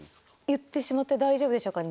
言ってしまって大丈夫でしょうか。